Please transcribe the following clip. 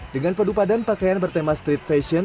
dengan pedupadan pakaian bertema street fashion